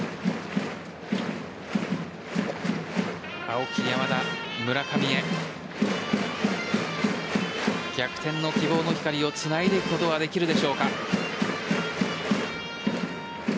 青木、山田、村上へ逆転の希望の光をつないでいくことができるでしょうか。